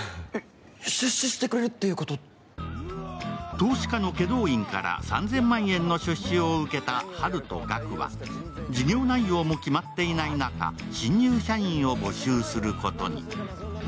投資家の祁答院から３０００万円の出資を受けたハルとガクは事業内容も決まっていない中、新入社員を募集することに。